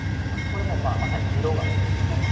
これもまさに色がそのまま。